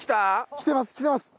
来てます来てます！